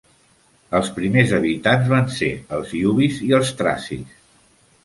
Els primers habitants van ser els luvis i els tracis.